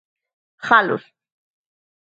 Galos.